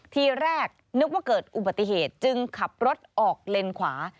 ทีแรกนึกว่าเกิดอุบัติเหตุจึงขับรถออกเลนขวา